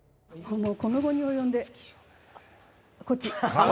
もうこの期に及んでこっち。